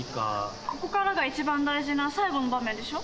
ここからが一番大事な最後の場面でしょ？